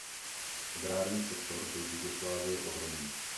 Agrární sektor byl v Jugoslávii ohromný.